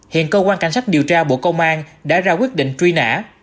hiện cơ quan cảnh sát điều tra bộ công an đã ra quyết định truy nã